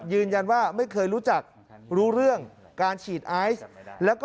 ยืนยันว่าไม่เคยรู้จักรู้เรื่องการฉีดไอค์